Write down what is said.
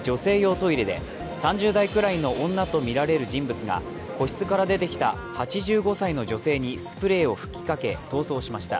トイレで、３０代くらいの女とみられる人物が個室から出てきた８５歳の女性にスプレーを吹きかけ、逃走しました。